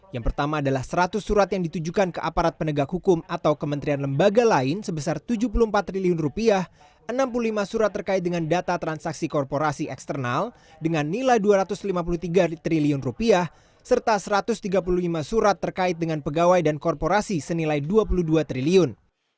yang pertama adalah seratus surat yang ditujukan ke aparat penegak hukum atau kementerian lembaga lain sebesar rp tujuh puluh empat triliun enam puluh lima surat terkait dengan data transaksi korporasi eksternal dengan nilai rp dua ratus lima puluh tiga triliun serta rp satu ratus tiga puluh lima surat terkait dengan pegawai dan korporasi senilai rp dua puluh dua triliun